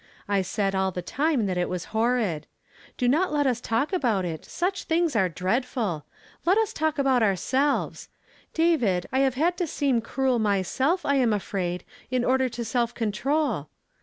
I said all the time that it was horrid. Do not let iis talk about it ; such things are dreadful ! Let us .talk about oui selves. David, I have had to seem cruel myself, I am afraid, in order to self conti; ol.